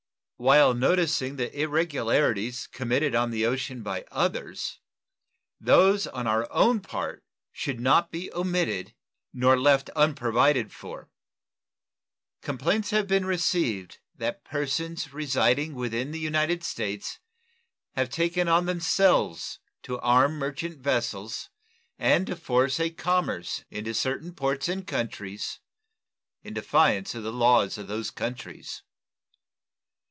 While noticing the irregularities committed on the ocean by others, those on our own part should not be omitted nor left unprovided for. Complaints have been received that persons residing within the United States have taken on themselves to arm merchant vessels and to force a commerce into certain ports and countries in defiance of the laws of those countries.